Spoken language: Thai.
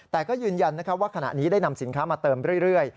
แต่ก็ยืนยันว่าขณะนี้ได้นำสินค้ามาเติมเรื่อย